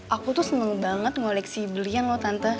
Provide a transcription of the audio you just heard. aku tuh seneng banget ngoleksi belian loh tante